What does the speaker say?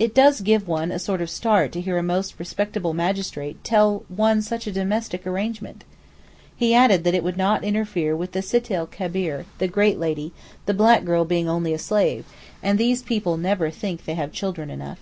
It does give one a sort of start to hear a most respectable magistrate tell one such a domestic arrangement. He added that it would not interfere with the Sittel Kebeer (the great lady), the black girl being only a slave, and these people never think they have children enough.